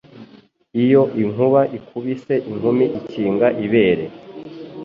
Iyo inkuba ikubise inkumi ikinga ibere